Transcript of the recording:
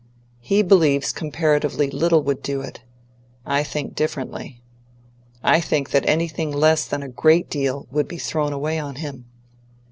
He believes comparatively little would do it. I think differently. I think that anything less than a great deal would be thrown away on him.